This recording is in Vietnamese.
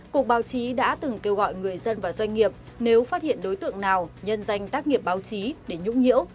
cục báo chí đã từng kêu gọi người dân và doanh nghiệp nếu phát hiện đối tượng nào nhân danh tác nghiệp báo chí để nhũng nhiễu